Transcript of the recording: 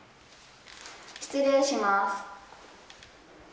失礼します。